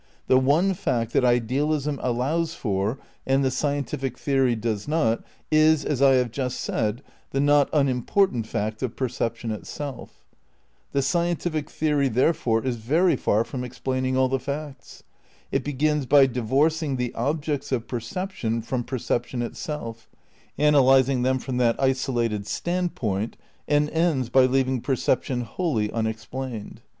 The one fact that idealism allows for and the scientific theory does not, is, as I have just said, the not unimportant fact of perception itself. The scien tific theory, therefore, is very far from explaining all the facts. It begins by divorcing the objects of per ception from perception itself, analysing them from that isolated standpoint, and ends by leaving percep tion whoUy unexplained.